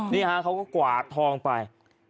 นี่ฮะเขาก็กวาดทองไป